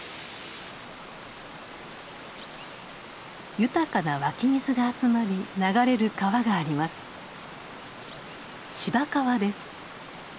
豊かな湧き水が集まり流れる川があります。